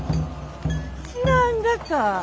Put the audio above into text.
知らんがか？